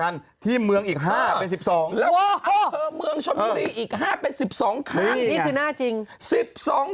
นี่คือหน้าจริง